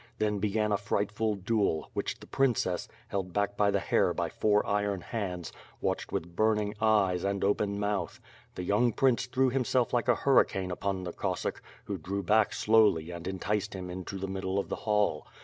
Then began a frightful duel, which the princess, held back l)y the hair by four iron hands, watched with bnrning eyes and open mouth. The young prince threw himself like a hurricane upon the Cossack, who drew back slowly and enticed him into the middle of the hall.